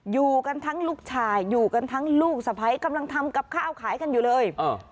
อยู่กันทั้งลูกชายอยู่กันทั้งลูกสะพ้ายกำลังทำกับข้าวขายกันอยู่เลย